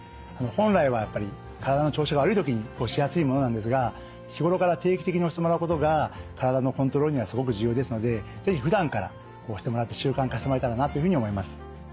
本来はやっぱり体の調子が悪い時に押しやすいものなんですが日頃から定期的に押してもらうことが体のコントロールにはすごく重要ですので是非ふだんから押してもらって習慣化してもらえたらなというふうに思います。